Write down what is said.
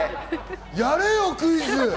やれよクイズ！